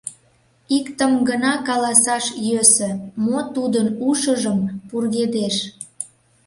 Иктым гына каласаш йӧсӧ: мо тудын ушыжым пургедеш?